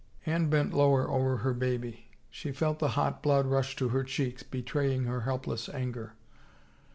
Anne bent lower over her baby. She felt the hot blood rush to her cheeks, betraying her helpless anger.